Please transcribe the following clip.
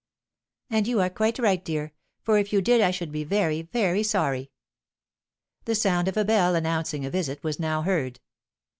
"And you are quite right, dear; for if you did I should be very, very sorry." The sound of a bell, announcing a visit, was now heard.